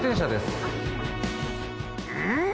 うん？